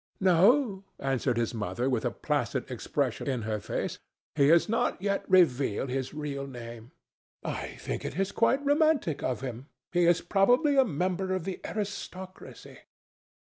"No," answered his mother with a placid expression in her face. "He has not yet revealed his real name. I think it is quite romantic of him. He is probably a member of the aristocracy."